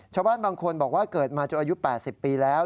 ชาวบ้านบางคนบอกว่าเกิดมาจนอายุ๘๐ปีแล้ว